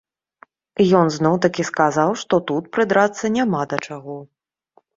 Ён зноў-такі сказаў, што тут прыдрацца няма да чаго.